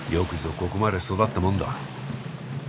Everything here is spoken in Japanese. ここまで育ったもんだ。